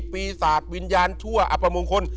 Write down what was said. พิสาทวิญญาณชั่วอัปมงคล